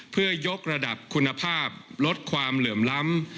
เพื่อยกระดับคุณภาพลดความเหลื่อมล้ำ